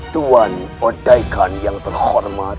tuan odaikan yang terhormat